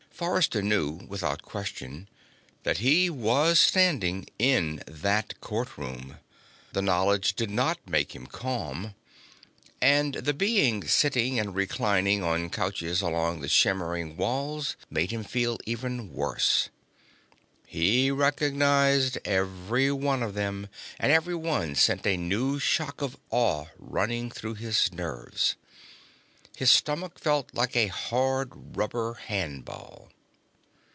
Forrester knew without question that he was standing in that Courtroom. The knowledge did not make him calm. And the beings sitting and reclining on couches along the shimmering walls made him feel even worse. He recognized every one of them, and every one sent a new shock of awe running through his nerves. His stomach felt like a hard rubber handball.